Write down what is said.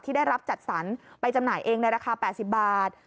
ได้รับจัดสรรไปจำหน่ายเองในราคา๘๐บาท